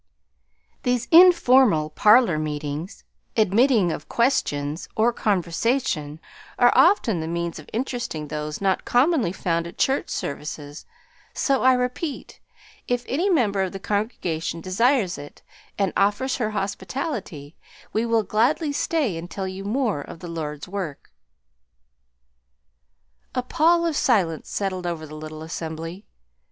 These informal parlor meetings, admitting of questions or conversation, are often the means of interesting those not commonly found at church services so I repeat, if any member of the congregation desires it and offers her hospitality, we will gladly stay and tell you more of the Lord's work." A pall of silence settled over the little assembly.